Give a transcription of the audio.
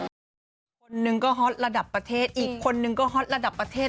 คนหนึ่งก็ฮอตระดับประเทศอีกคนนึงก็ฮอตระดับประเทศ